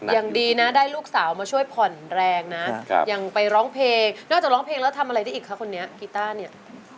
ยังดีนะได้ลูกสาวมาช่วยผ่อนแรงนะยังไปร้องเพลงนอกจากร้องเพลงแล้วทำอะไรได้อีกคะคนนี้กีต้าเนี่ย